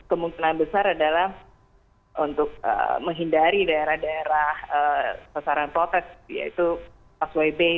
dan kemungkinan besar adalah untuk menghindari daerah daerah keseluruhan protek yaitu paswai bay